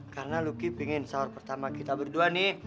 karena lucky pingin saur pertama kita berdua nih